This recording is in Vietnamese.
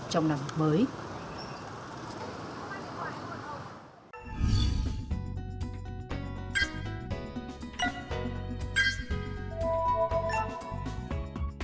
trong năm mới